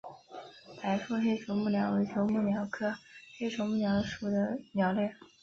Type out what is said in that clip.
白腹黑啄木鸟为啄木鸟科黑啄木鸟属的鸟类。